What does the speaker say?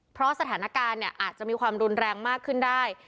เพราะสถานการณ์เนี่ยอาจจะมีความรุนแรงมากขึ้นได้